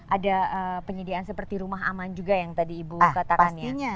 ada penyediaan seperti rumah aman juga yang tadi ibu katakan ya